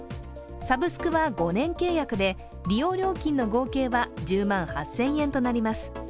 さぶすくは５年契約で利用料金の合計は１０万８０００円となります。